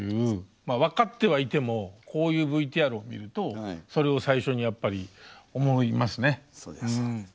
まあ分かってはいてもこういうＶＴＲを見るとそれを最初にやっぱり思いますね。